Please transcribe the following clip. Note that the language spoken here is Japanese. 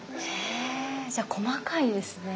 へぇじゃあ細かいですね。